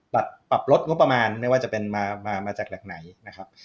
ปรับปรับลดงบประมาณไม่ว่าจะเป็นมาจากแหล่งไหนนะครับ